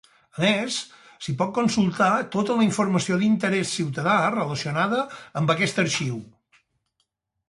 A més, s'hi pot consultar tota la informació d'interès ciutadà relacionada amb aquest Arxiu.